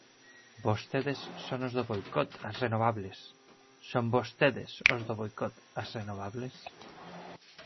Vostedes son os do boicot ás renovables; son vostedes os do boicot ás renovables.